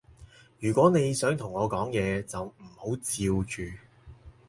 如果你想同我講嘢，就唔好嚼住